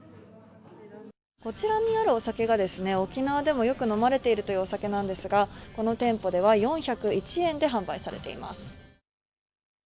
こちらにあるお酒がですね、沖縄でも、よく飲まれているといううお酒なんですが、この店舗では４０１円で販売されています。